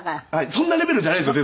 そんなレベルじゃないんですよ